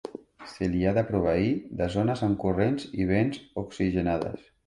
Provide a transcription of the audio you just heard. Se li ha de proveir de zones amb corrents i ben oxigenades.